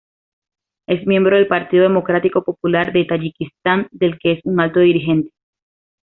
Es miembro del Partido Democrático Popular de Tayikistán, del que es un alto dirigente.